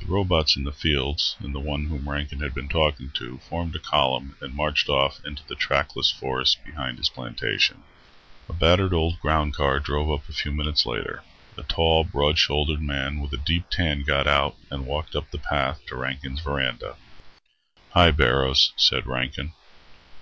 The robots in the fields and the one whom Rankin had been talking to formed a column and marched off into the trackless forests behind his plantation. A battered old ground car drove up a few minutes later. A tall, broad shouldered man with a deep tan got out and walked up the path to Rankin's verandah. "Hi, Barrows," said Rankin.